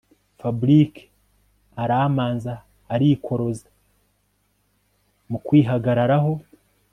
Fabric aramanza arikoroza mukwihagararaho